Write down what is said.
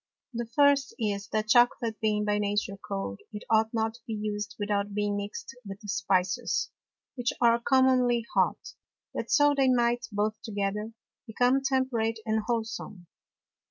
The first is, That Chocolate being by Nature cold, it ought not to be used without being mixed with Spices, which are commonly hot, that so they might, both together, become temperate and wholesome.